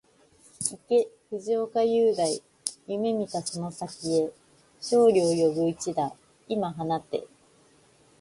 行け藤岡裕大、夢見たその先へ、勝利を呼ぶ一打、今放て